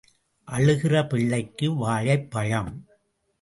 அழுகிற பிள்ளைக்கு வாழைப்பழம்.